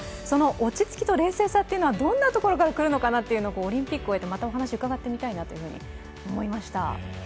その落ち着きと冷静さはどんなところから来るのかなとオリンピックを終えて、またお話を伺ってみたいなと思いました。